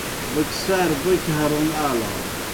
بوکیْ سارہ بوکیْ ہرون آلان۔